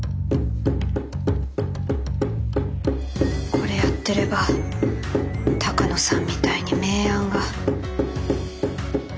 これやってれば鷹野さんみたいに名案が。